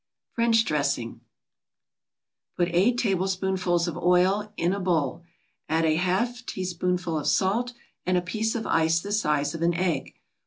FRENCH DRESSING Put eight tablespoonfuls of oil in a bowl, add a half teaspoonful of salt, and a piece of ice the size of an egg.